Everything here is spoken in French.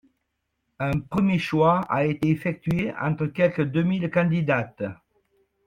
Un premier choix a été effectué entre quelque deux mille candidates.